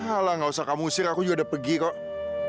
ah lah gak usah kamu usir aku juga udah pergi kok